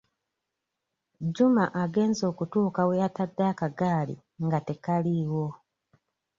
Juma agenze okutuuka we yatadde akagaali nga tekaliiwo.